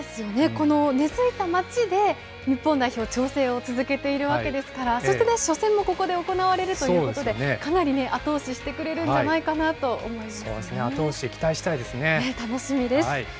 この根づいた街で、日本代表、調整を続けているわけですから、そしてね、初戦もここで行われるということで、かなり後押ししてくそうですね、後押し、期待し楽しみです。